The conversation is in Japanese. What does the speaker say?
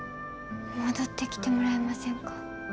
戻ってきてもらえませんか？